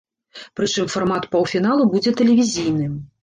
Прычым фармат паўфіналу будзе тэлевізійным.